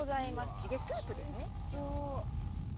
チゲスープですね。